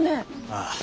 ああ。